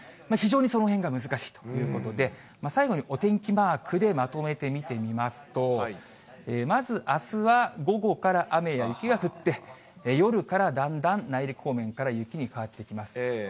非常にそのへんが難しいということで、最後にお天気マークでまとめて見てみますと、まずあすは午後から雨や雪が降って、夜からだんだん内陸方面から雪に変わってきます。